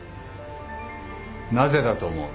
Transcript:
なぜだと思う？